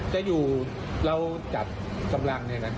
ถ้าอยู่เราจัดสำลังเนี้ยนะ